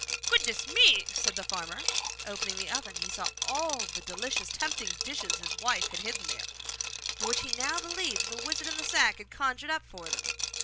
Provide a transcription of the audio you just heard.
'Goodness me!' said the farmer; and opening the oven he saw all the delicious, tempting dishes his wife had hidden there, but which he now believed the wizard in the sack had conjured up for them.